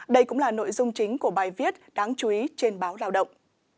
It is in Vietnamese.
đây cũng là nội dung chính của bài viết đáng chú ý trên báo lao động